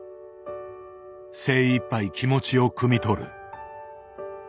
精いっぱい気持ちをくみ取る。